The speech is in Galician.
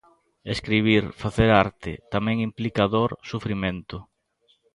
Escribir, facer arte, tamén implica dor, sufrimento.